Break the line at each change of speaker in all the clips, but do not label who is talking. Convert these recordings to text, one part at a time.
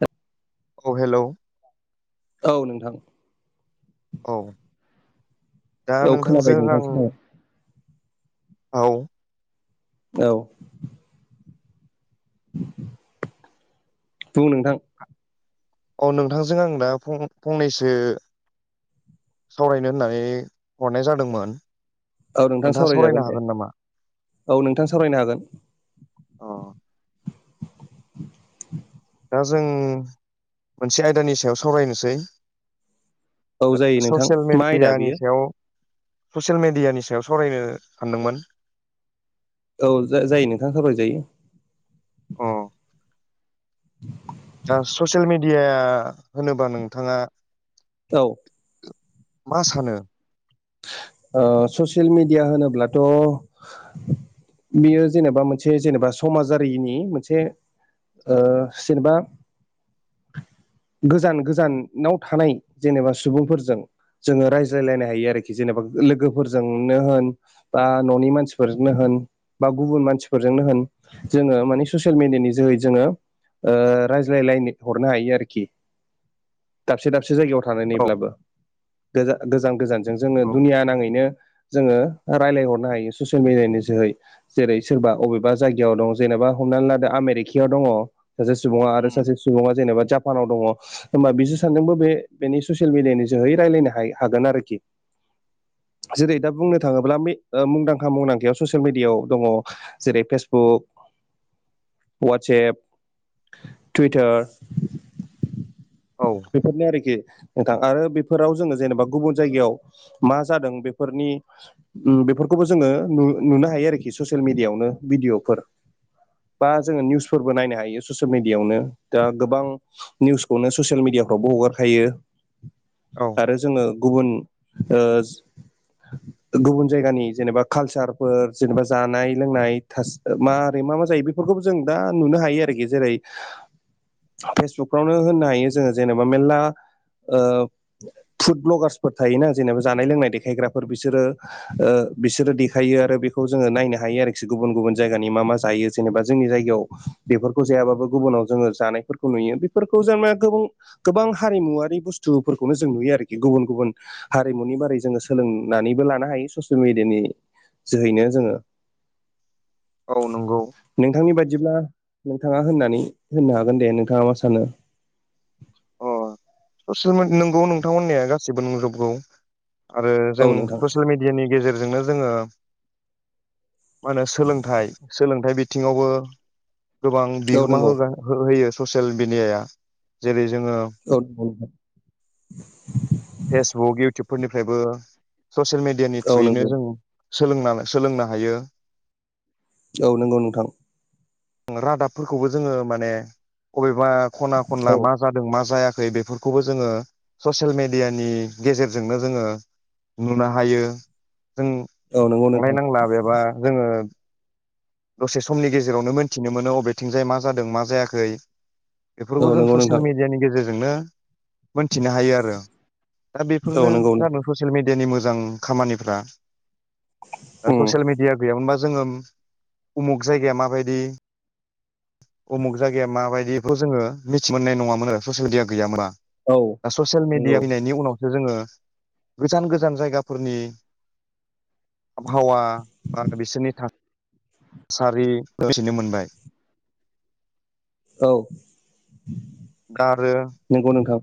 द [unintelligible]
औ हेल'।
औ नोंथां।
औ दा
औ खोनाबाय
नोंथांजों
नोंथां
आं
खोनाबाय
औ।
औ‌। बुं नोंथां।
औ नोंथांजों आं दा फंनैसो सावरायनो होननानै हरनाय जादोंमोन।
औ नोंथां
नोंथाङा सावरायनो
सावरायजागोन दे
हागोन नामा
औ नोंथां सावरायनो हागोन।
अ दा जों मोनसे आयदानि सायाव सावरायनोसै
औ जायो नोंथां
ससियेल
मा आयदा
मेडियानि
बेयो
सायाव ससियेल मिडियानि सायाव सरायनो सानदोंमोन‌।
औ जायो नोंथां खावलायजायो।
अ ससियेल मिडिया होनोबा नोंथाङा
औ।
मा सानो
ससियेल मिडिया होनोब्लाथ' बेयो जेनेबा मोनसे जेनेबा समाजारिनि मोनसे जेनेबा गोजान गोजानाव थानाय जेनेबा सुबुंफोरजों जोङो रायज्लायलायनो हायो आरोखि जेनेबा लोगोफोरजोंनो होन बा न'नि मानसिफोरनो होन बा गुबुन मानसिफोरजोंनो होन जोङो माने ससियेल मिडियानि जोहै जोङो रायज्लायलायनो हरनो हायो आरोखि दाबसे दाबसे जायगायाव
औ
थब्लाबो गोजान गोजान ज जोङो
औ
दुनिया नाङैनो जोङो रायजलायहरनो हायो ससियेल मिडियानि जोहै जेरै सोरबा अबेबा जायगायाव दं जेनेबा हमनानै लादो आमेरिकायाव दङ। सासे सुबुङा आरो सासे सुबुङा जेनेबा जापानाव दङ होमबा बिसोर सानजोंबो बे बेनि ससियेल मिडियानि जोहै रायज्लायनो ह हागोन आरोखि जेरै दा बुंनो थाङोब्ला मुंदांखा मुंदांखायाव ससियेल मिडियाव दङ। जेरै फेसबुक वाटसेएप टुइटार
औ
बेफोरनो आरोखि नोंथां आरो बेफोराव जोङो जेनेबा गुबुन जायगायाव मा जादों बेफोरनि बेफोरखौबो जोङो नुनो हायो आरोखि ससियेल मिडियआवनो भिदिअफोर बा जोङो निउसफोरबो नायनो हायो ससियेल मिडियावनो दा गोबां निउसखौनो स सियेल मिडियाफ्रावबो हगारखायो
औ
आरो जोङो गुबुन ओ गुबुन जायगानि जेनेबा कालसारफोर जेनेबा जानाय लोंनाय मारै मा मा जायो बे फोरखौ जों दा नुनो हायो आरोखि जेरै फेसबुकफ्रावनो होननो हायो जोङो जेनेबा मेलला ओ फुड भ्लगार्सफोर थायोना जेनेबा जानाय लोंनाय देखायग्राफोर बिसोरो ओ बिसोरो देखायो आरो बेखौ जोङो नायनो हायो आरोखि गुबुन गुबुन जायगानि मा मा जायो जेनेबा जोंनि जायगायाव बेफोरखौ जायाबाबो गुबुनाव जोङो जानायफोरखौ नुयो बेफोरखौ जोंबो गोबां गोबां हारिमुवारि बुस्थुफोरखौनो जों नुयो आरोखि गुबुन गुबुन हारिमुनि बारै जोङो सोलोंनानैबो लानो हायो ससियेल मिडियानि जोहैनो जोङो [inaudible]
औ नंगौ
नोंथांनि बायदिब्ला नोंथाङा होननानै होननो हागोन दे नोंथाङा मा सानो
अ ससियेल नंगौ नोंथांहोननाया गासिबो नुजोबगौ आरो जों
औ नोंथां
ससियेल मि नि गेजेरजोंनो जोङो मा होनो सोलोंथाइ सोलोंथाइ बिथिङावबो गोबां
औ
बिहोमा
नंगौ
होगा हो होयो ससियेल मिडियाया जेरै जोङो
औ
फेसबुक इउटुबफोरनिफ्रायबो ससियेल मेडियानि
औ
थ्रुयैनो
नंगौ
जों सोलोंना सोलोंनो हायो
औ नंगौ नोंथां
रादाबफोरखौबो जोङो माने अबेबा खना
औ
खनला मा जादों मा जायाखै बेफोरखौबो जोङो ससियेल मेडियानि गेजेरजोंनो जोङो नुनो हायो जों
नंगौ नोंथां
थांलाय नांला बेबा जोङो दसे समनि गेजेरावनो मोनथिनो मोनो अबेथिंजाय मा जादों मा जायाखै
औ
बेफोरखौ जों
नंगौ नोंथां
ससियेल मिडियानि गेजेरजोंनो मोनथिनो हायो आरो दा
औ
बेफोरनो
नंगौ
जानो ससियेल मिडियानि मोजां खामानिफ्रा दा
उम
ससियेल मिडिया गैयामोनबा जोङो उमुक जायगाया माबायदि उमुक जायगाया माबायदिखौ जोङो मिथि मोननाय नङामोन आरो ससियेल मिडिया गैयामोनबा
औ
दा ससियेल
नंगौ
मिडिया फैनायनि उनावसो जोङो गोजान गोजान जायगाफोरनि आबहावा बा बिसोरनि था सारि मिथिनो मोनबाय
औ
आरो
नंगौ नोंथां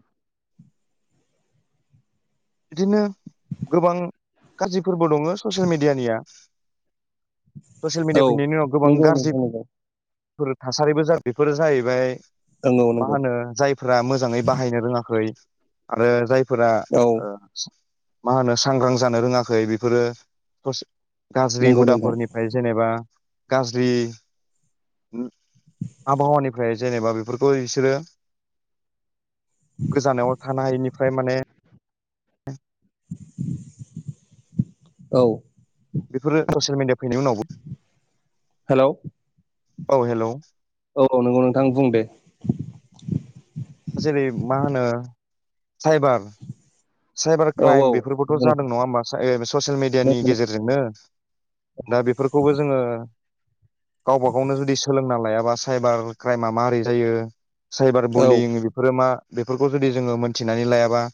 बिदिनो गोबां गाज्रिफोरबो दङ ससियेल मेडियानिया ससियेल
औ
मिडिया फैनायनि उनाव गोबां
नंगौ
गाज्रि
नोंथां
थासारिबो बेफोरो जाहैबाय
नंगौ
मा
नंगौ नंगौ
होनो जाय फोरा मोजाङै बाहायनो रोङाखै आरो जायफोरा
औ
ओ मा होनो सांग्रां जानो रोङाखै बेफोरो गाज्रि
नंगौ नोंथां
हुदाफोरनिफ्राय जेनेबा गाज्रि आबहावानिफ्राय जेनेबा बेफोरखौ बिसोरो गोजानाव थानो हायिनिफ्राय माने
औ।
बेफोरो ससियेल मिडिया फैनायनि उनावबो।
हेल'
औ हेल'।
औ नंगौ नोंथां बुं दे।
द जेरै मा होनो साबायखर। साइबार
औ
क्राइम
औ
बेफोरबोथ' जादों नङा होमबा ससियेल मिडियानि गेजेरजोंनो। दा बेफोरखौबो जोङो गावबा गावनो जुदि सोलोंना लायाबा। साइबार क्राइमा माबोरै जायो साइबार बुलिं बेफोरो मा? बेफोरखौ जुदि जोङो मोनथिनानै लायाबा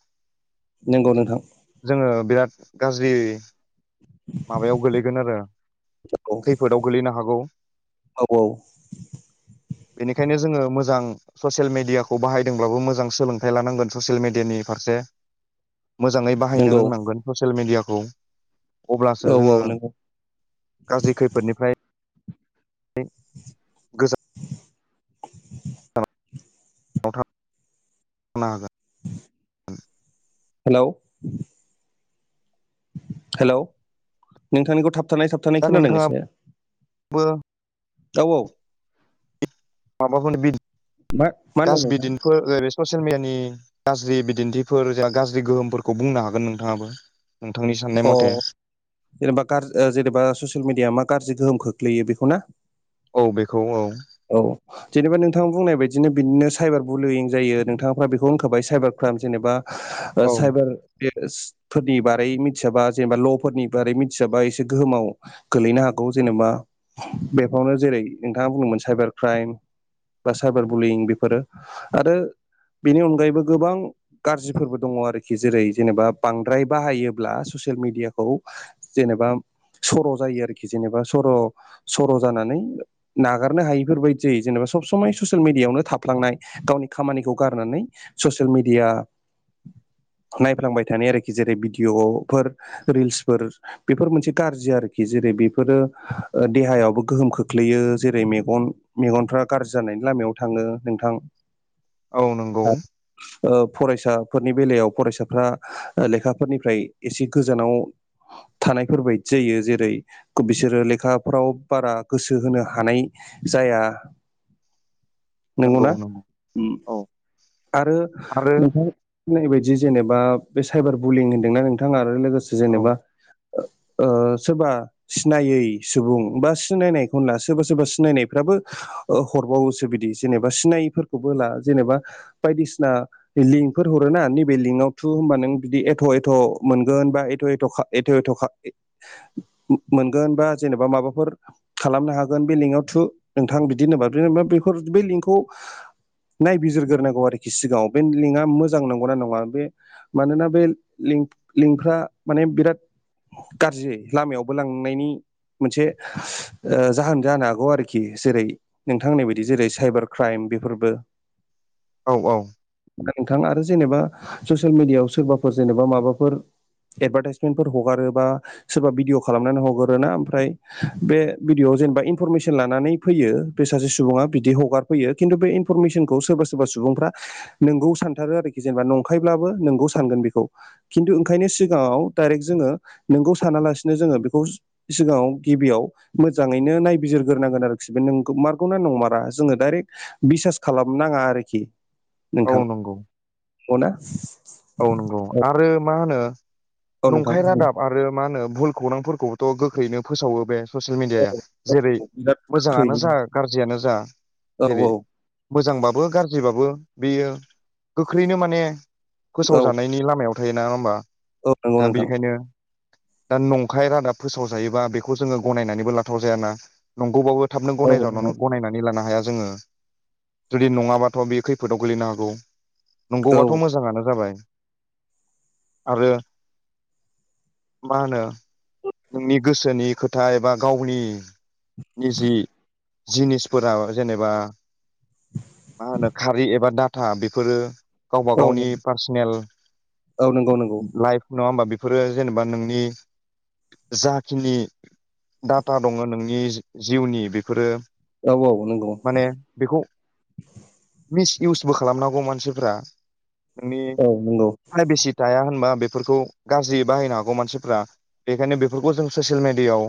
नंगौ नोंथां।
जोङो बिराद गाज्रि। माबायाव गोलैगोन आरो
औ
खैफोदाव गोलैनो हागौ।
औ [inaudible]
बेनिखायनो जोङो मोजां। ससियेल मिडियाखौ बाहायदोंब्लाबो मोजां सोलोंथाइ लानांगोन ससियेल मिडियानि फारसे। मोजाङै बाहायनो
नंगौ
रोंनांगोन ससियेल मेडियाखौ अब्लासो
औ औ
जोङो।
नंगौ
गाज्रि खैफोदनिफ्राय। गोजानाव हागोन।
हेल' हेलौ नोंथांनिखौ थाबथानाय साब
दा नोंथाङा
औ।
माबाफोरनोदि
मा मा होनदों
गास
नोंथां
बिदिखौ बे ससियेल मिडियानि गाज्रि बिदिन्थिफोर जा गाज्रि गोहोमफोरखौ बुंनो हागोन नोंथाङाबो नोंथांनि साननाय
अ
मथे।
जेनेबा ग जेनेबा ससियेल मिडिया मा गाज्रि गोहोम खोख्लैयो बेखौ ना?
औ बेखौ औ।
औ। जेनेबा नोंथाङा बुंनाय बायदिनो बिदिनो साइबार बुलुयिं जायो नोंथाङफ्रा बेखौ होनखाबाय साइबार क्राइम जेनेबा
औ
साइबार बे फोरनि बारै मिथियाबा जेनेबा ल'फोरनि बारै मिथियाबा एसे गोहोमाव। गोलैनो हागौ जेनेबा बेफोरावनो जेरै नोंथाङा बुंदोंमोन साइबार क्राइम। बा साइबार बुलिं बेफोरो आरो बेनि अनगायैबो गोबां। गाज्रिफोरबो दङ आरोखि जेरै जेनेबा बांद्राय बाहायोब्ला ससियेल मिेडियाखौ। जेनेबा सर' जायो आरोखि जेनेबा सर' सर' जानानै नागार खारनो हायिफोरबायदि जै जेनेबा सब समाय ससियेल मिडियायावनो थाफ्लांनाय गावनि खामानिखौ गारनानै ससियेल मिेडिया नायफ्लांबाय थानाय आरोखि जेरै भिडिअ'फोर रिल्सफोर बेफोर मोनसे गाज्रि आरोखि जेरै बेफोरो देहायावबो गोहोम खोख्लैयो जेरै मगन मेगन मेगनफ्रा गाज्रि जानायनि लामायाव थाङो नोंथां?
औ नंगौ।
फरायसाफोरनि बेलायाव फरायसाफ्रा। लेखाफोरनिफ्राय एसे गोजानाव थानायफोरबायदि जायो जेरै बिसोरो लेखाफ्राव बारा गोसो होनो हायि जाया
नंगौ
नंगौना
नंगौ औ
आरो
आरो
नोंथां‌। होननाय बायदि जेनेबा बे साइबार बुलिं होनदोंना नोंथां आरो लोगोसे
औ
जेनेबा। सोरबा सिनायै सुबुं बा सिनायनायखौना सोरबा सोरबा। सिनायनायफ्राबो हरबावोसो बिदि जेनेबा सिनायफोरखौबो ला जेनेबा। बायदिसिना लिंकफोर हरो ना नैबे लिंकआव थु होनबा नों बिदि एथ' एथ' मोनगोन बा एथ' एथ' एथ' एथ' मोनगोन बा जेनेबा माबाफोर खालामनो हागोन बे लिंकआव थु नोंथां बिदि होनबा बेफोर बे लिंकखौ नायबिजिरग्रोनांगौ आरोखि सिगाङाव बे लिंकआ मोजां नंगौनाा नङा बे मानोना बे लिंफ्रा माने बिराद गाज्रि लामायावबो लांनायनि मोनसे जाहोन जानो हागौ आरोखि आरोखि जेरै नोंथांनि बायदि जेरै साइबार क्राइम बेफोरबो
औ औ
नोंथां आरो जेनेबा ससियेल मिडियाआव सोरबाफोर जेनेबा माबाफोर एडभार्टाइसमेन्टफोर हगारोबा सोरबा भिडिअ खालामनानै हग्रोना ओमफ्राय बे भिडिअ'आव जेनेबा इनफरमेसन लानानै फैयो बे सासे सुबुङा बिदि हगारफैयो खिन्थु बे इनफरमेसनखौ सोरबा सोरबा सुबुंफ्रा नोंगौ सानथारो आरोखि जेनेबा नंखायब्लाबो नोंगौ सानगोन बेखौ खिन्थु ओंखायनो सिगाङाव दडायरेक्ट जोङो नोंगौ सानालासिनो जोङो बेखौ सिगाङाव गिबियाव मोजाङैनो नाय बिजिरग्रोनांगोन आरोखि बे नों मारगौनाा नंमारा जोङो डाइरेक्ट बिसास खालामनााङा आरोखि
औ
नोंथां
नंगौ
अना
औ नंगौ आरो मा होनो
औ नोंथां
नंखाय रादाब ओमफ्राय मा होनो भुल खौरांफोरखौबोथ' गोख्रैनो फोसावो बे ससियेल
औ
मेडियाया जेरै
बिराद
मोजाङानो जा
गोख्रैनो
गाज्रियानो जा
औ
जेरै
औ
मोजांबाबो गाज्रिबाबो बेयो गोख्रैनो माने फोसाव
औ
जानायनि लामायाव थायो नङा हमबा
औ नंगौ
दा
नोंथां
बेनिखायनो दा नंखाय रादाब फोसावजायोबा बेखौ जोङो गनायनानैबो लाथाव जायाना नंगौबाबो थाबनो
औ
गनाय
नंगौ
गनायनानै लानो हाया जोङो जुदि नङाबाथ' बे खैफोदाव गोलैनो हागौ
औ
नंगौबाथ' मोजाङानो जाबाय आरो मा होनो नोंनि गोसोनि खोथा एबा गावनि निजि जिनिसफोरा जेनेबा मा होनो खारि एबा डाटा बेफोरो गावबा
औ
गावनि पार्सनेल
औ नंगौ नंगौ
लाइफ नङा होमबा बेफोरो जेनेबा नोंनि जाखिनि डाटा दङ नोंनि जिउनि बेफोरो
औ औ नंगौ
माने बेखौ मिस इउसबो खालामनांगौ मानसिफ्रा नोंनि
औ नंगौ
फ्रायबेसि जाया होनबा बेफोरखौ गाज्रि बाहायनो हागौ मानसिफ्रा बेखायनो बेफोरखौ जों ससियेल मेडियाआव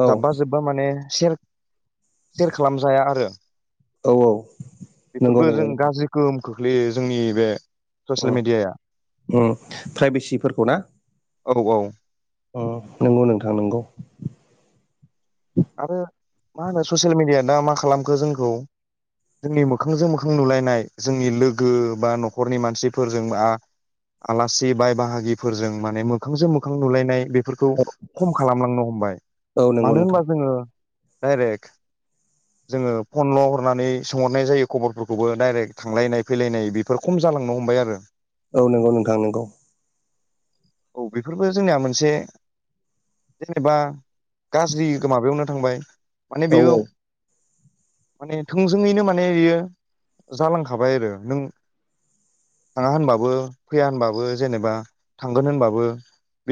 औ
जाब्बा जोब्बा माने सेयार खालामजाया आरो
औ औ नंगौ
बेफोरबो जों
नंगौ
गाज्रि गोहोम खोख्लैयो जोंनि बे ससियेल मिडियाया
प्राइभेसिफोरखौ ना
औ औ
अ नंगौ नोंथां नोंगौ
आरो मा होनो ससियेल मिडिया दा मा खालामखो जोंखौ जोंनि मोखांजों मोखां नुलायनाय जोंनि लोगो बा न'खरनि मानसिफोरजों बा आलासि बाय बाहागिफोरजों माने मोखांजों मोखां नुलायनाय बेफोर खौ खम खालामलांनो हमबाय
औ नंगौ
मानो
नोंथां
होनबा जोङो डाइरेक्ट
[inaudible]
जोङो फनल' हरनानै सोंहरनाय जायो खबरफोरखौबो डाइरेक्ट थांलायनाय फैलायनाय बेफोर खम जालांनो हमबाय आरो
औ नंगौ नोंथां नंगौ
औ बेफोरबो जोंनिया मोनसे जेनेबा गाज्रि माबायावनो थांबाय माने बेयाव
[unintelligible]
माने थोंजोङैनो माने बियो जालांखाबाय आरो नों थाङा होनबाबो फैया होनबाबो जेनेबा थांगोन होनबाबो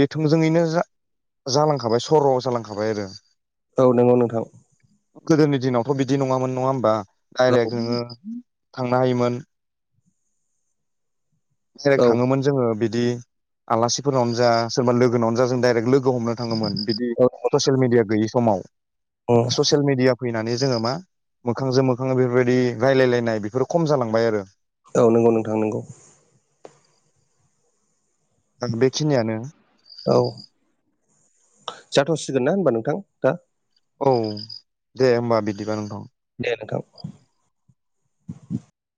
बे थोंजोङैनो जा जालांखाबाय सर' जालांखाबाय आरो
औ नंगौ नोंथां।
गोदोनि दिनावथ' बिदि नङामोन नङा होमबा
औ
डायरेक्ट नोङो थांनो हायोमोन जेरै
औ
थाङोमोन। जोङो बिदि आलासिफोरावनो जा सोरबा लोगोनावनो जा जों डायरेक्ट लोगो हमनो बिदि ससियेल मिडिया गैयि समाव
औ
ससियेल मिडिया फैनानै जोङो मा मोखांजों मोखां बेफोरबायदि रायलायलायनाय बेफोरो खम जालांबाय आरो
औ नंगौ नोंथां नोंगौ।
आं बेखिनियानो
औ जाथ'सिगोन ना होनबा नोंथां दा
औ दे होनोमबा बिदिबा नोंथां।
दे नोंथां।